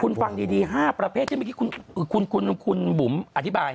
คุณฟังดีห้าประเภทคุณบุ๋มอธิบาย